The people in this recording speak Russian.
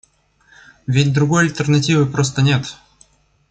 Ведь другой альтернативы просто нет.